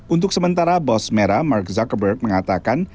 untuk sementara bos merah mark zuckerberg mengatakan